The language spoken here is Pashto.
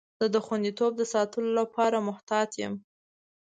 زه د خوندیتوب د ساتلو لپاره محتاط یم.